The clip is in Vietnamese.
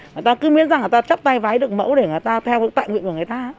người ta cứ miễn rằng người ta chắp tay vãi được mẫu để người ta theo tạng nguyện của người ta